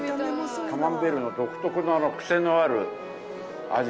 カマンベールの独特なあのクセのある味。